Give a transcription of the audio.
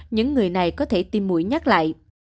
những người này có thể tiêm mũi nhắc lại